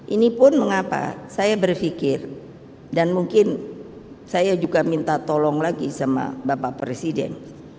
ini pun mengapa saya berpikir dan mungkin saya juga minta tolong lagi sama bapak presiden